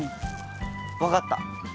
わかった。